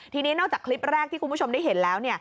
ทีนี้นอกจากคลิปแรกที่คุณผู้ชมได้เห็นแล้ว